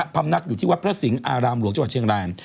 ำนักอยู่ที่วัดพระสิงห์อารามหลวงจังหวัดเชียงราย